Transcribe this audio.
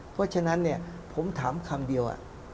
เพราะฉะนั้นผมถามคำเดียว